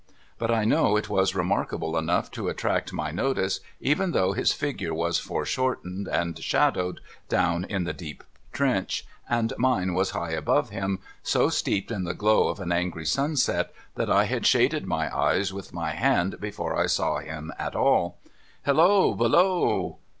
But I know it was remarkable enough to attract my notice, even though his figure was foreshortened and shadowed, down in the deep trench, and mine was high above him, so steeped in the glow of an angry sunset, that I had shaded my eyes with my hand before I saw him at all. ' Halloa ! Below